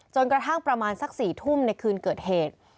กระทั่งประมาณสัก๔ทุ่มในคืนเกิดเหตุ